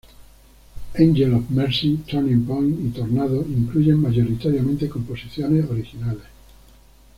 Angel of Mercy, Turning Point y Tornado incluyen mayoritariamente composiciones originales.